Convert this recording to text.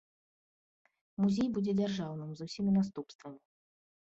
Музей будзе дзяржаўным з усімі наступствамі.